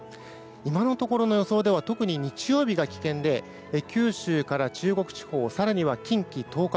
今のところの予想では特に日曜日が危険で九州から中国地方更には近畿・東海